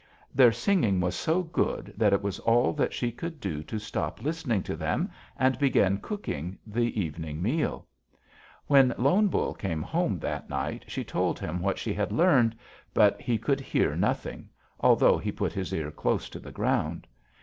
Their singing was so good that it was all that she could do to stop listening to them and begin cooking the evening meal. "When Lone Bull came home that night she told him what she had learned, but he could hear nothing, although he put his ear close to the ground.